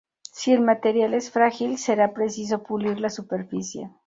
Si el material es frágil, será preciso pulir la superficie.